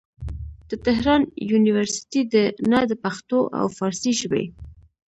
د تهران يونيورسټۍ نه د پښتو او فارسي ژبې